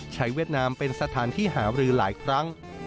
เวียดนามเป็นสถานที่หารือหลายครั้ง